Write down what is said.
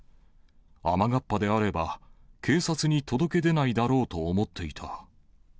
雨がっぱであれば、警察に届け出ないだろうと思っていた。